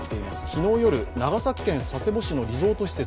昨日夜、長崎県佐世保市のリゾート施設